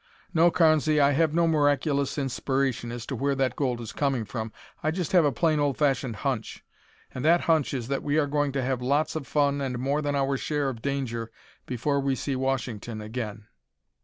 No, Carnesy, I have no miraculous inspiration as to where that gold is coming from; I just have a plain old fashioned hunch, and that hunch is that we are going to have lots of fun and more than our share of danger before we see Washington again.